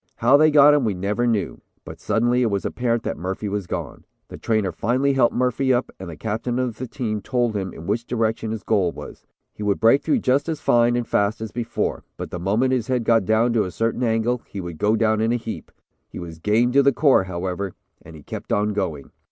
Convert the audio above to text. How they got him we never knew, but suddenly it was apparent that Murphy was gone. The trainer finally helped Murphy up and the captain of the team told him in which direction his goal was. He would break through just as fine and fast as before, but the moment his head got down to a certain angle, he would go down in a heap. He was game to the core, however, and he kept on going.